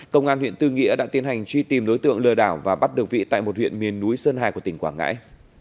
công an huyện tư nghĩa đã tiến hành truy tìm đối tượng lừa đảo và bắt được vị tại một huyện miền núi sơn hải của tỉnh quảng ngãi